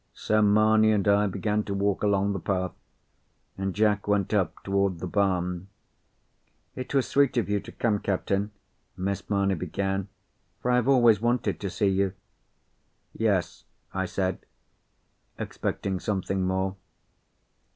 So Mamie and I began to walk along the path, and Jack went up toward the barn. "It was sweet of you to come, captain," Miss Mamie began, "for I have always wanted to see you." "Yes," I said, expecting something more.